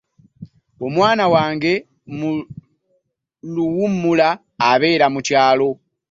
Omwana owange mu luwummula abeera mu kyalo.